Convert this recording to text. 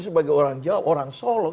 sebagai orang jawa orang solo